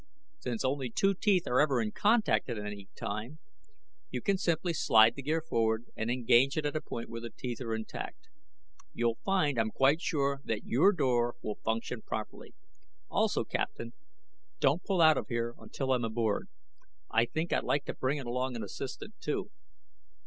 Since only two teeth are ever in contact at any time, you can simply slide the gear forward and engage it at a point where the teeth are intact. You'll find, I'm quite sure, that your door will function properly. Also, Captain, don't pull out of here until I'm aboard. I think I'd like to bring an assistant along, too."